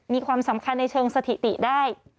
มีความสำคัญในเชิงสถิติได้